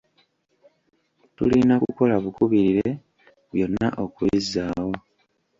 Tulina kukola bukubirire byonna okubizzaawo.